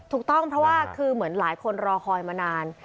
ถูกต้องเพราะว่าคือเหมือนหลายคนรอคอยมานาน